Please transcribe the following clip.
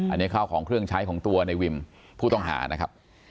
อันนี้ข้าวของเครื่องใช้ของตัวในวิมผู้ต้องหานะครับ